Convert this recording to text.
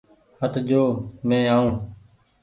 هٽ جو مينٚ آئونٚ